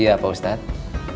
iya pak ustadz